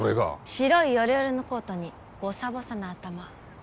白いヨレヨレのコートにボサボサの頭。